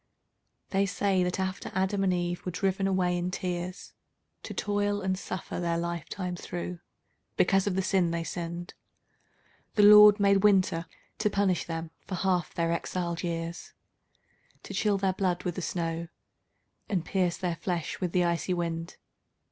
They say that after Adam and Eve were driven away in tears To toil and suffer their life time through, because of the sin they sinned, The Lord made Winter to punish them for half their exiled years, To chill their blood with the snow, and pierce their flesh with the icy wind.